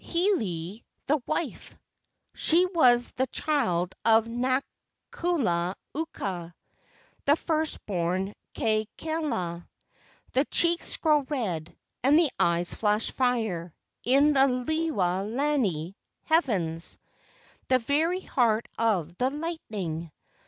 Hiilei, the wife, She was the child of Nakula uka, The first born Kakela. The cheeks grow red; And the eyes flash fire. In the Lewa lani [heavens], The very heart of the lightning.